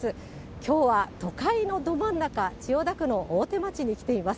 きょうは都会のど真ん中、千代田区の大手町に来ています。